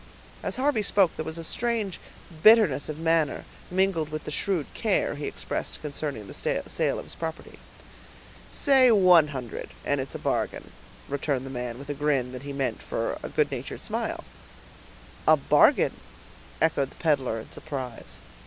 As Harvey spoke, there was a strange bitterness of manner, mingled with the shrewd care he expressed concerning the sale of his property. "Say one hundred, and it is a bargain," returned the man, with a grin that he meant for a good natured smile. "A bargain!" echoed the peddler, in surprise.